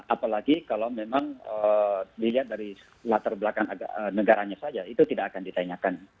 apalagi kalau memang dilihat dari latar belakang negaranya saja itu tidak akan ditanyakan